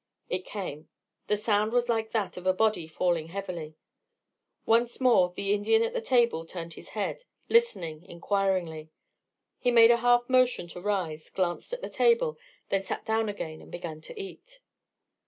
It came. The sound was like that of a body falling heavily. Once more the Indian at the table turned his head, listening inquiringly. He made a half motion to rise, glanced at the table, then sat down again and began to eat.